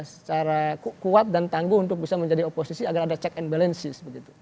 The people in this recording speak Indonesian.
secara kuat dan tangguh untuk bisa menjadi oposisi agar ada check and balances begitu